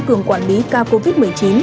cường quản lý ca covid một mươi chín